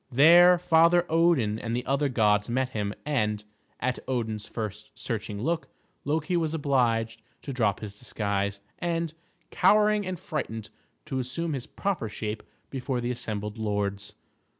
There Father Odin and the other gods met him; and, at Odin's first searching look, Loki was obliged to drop his disguise, and, cowering and frightened, to assume his proper shape before the assembled lords.